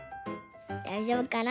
だいじょうぶかな？